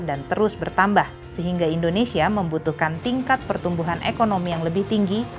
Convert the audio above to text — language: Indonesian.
dan terus bertambah sehingga indonesia membutuhkan tingkat pertumbuhan ekonomi yang lebih tinggi